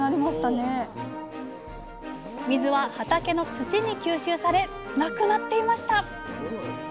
水は畑の土に吸収されなくなっていました。